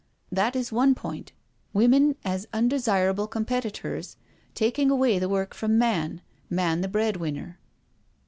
That is one point — ^women as undesirable competitors — ^taking away the work from man— inan the breadwinner.'